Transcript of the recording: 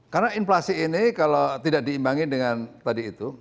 karena inflasi ini kalau tidak diimbangi dengan tadi itu